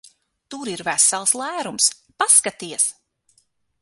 Tur ir vesels lērums. Paskaties!